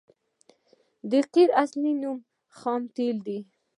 د قیر اصلي منبع خام تیل دي